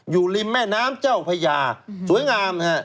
อยู่ริมแม่น้ำเจ้าพญาสวยงามฮะ